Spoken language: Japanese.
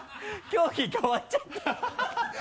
競技変わっちゃった